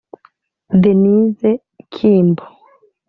Denise Kimbo